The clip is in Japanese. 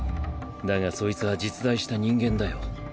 だがそいつは実在した人間だよ。